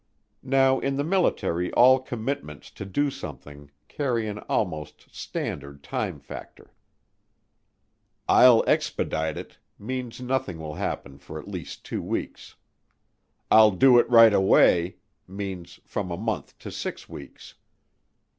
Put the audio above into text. Now in the military all commitments to do something carry an almost standard time factor. "I'll expedite it," means nothing will happen for at least two weeks. "I'll do it right away," means from a month to six weeks.